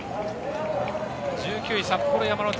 １９位、札幌山の手。